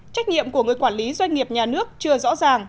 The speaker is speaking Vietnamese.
trách nhiệm của người quản lý doanh nghiệp nhà nước chưa rõ ràng